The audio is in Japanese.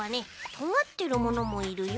とがってるものもいるよ。